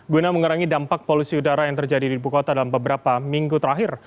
guna mengurangi dampak polusi udara yang terjadi di ibu kota dalam beberapa minggu terakhir